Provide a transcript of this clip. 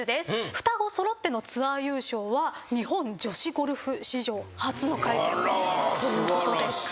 双子揃ってのツアー優勝は日本女子ゴルフ史上初の快挙ということです。